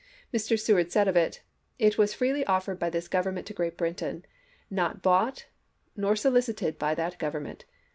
Mr. Seward said of it :" It was freely offered by this Government to Great Britain, not bought nor so licited by that Government.